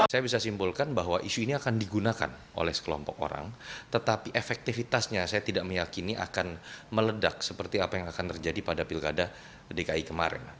saya bisa simpulkan bahwa isu ini akan digunakan oleh sekelompok orang tetapi efektivitasnya saya tidak meyakini akan meledak seperti apa yang akan terjadi pada pilkada dki kemarin